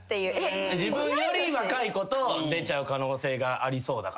自分より若い子と出ちゃう可能性がありそうだからってこと？